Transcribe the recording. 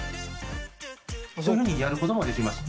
そういうふうにやることもできますね。